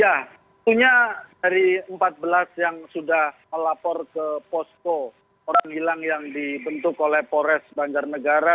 ya tentunya dari empat belas yang sudah melapor ke posco orang hilang yang dibentuk oleh polres banjar negara